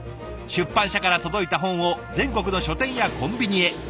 出版社から届いた本を全国の書店やコンビニへ。